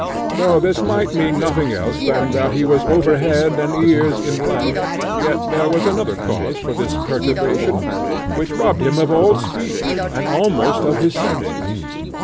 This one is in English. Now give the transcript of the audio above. Though this might mean nothing else than that he was over head and ears in love, yet there was another cause for this perturbation, which robbed him of all speech, and almost of his senses.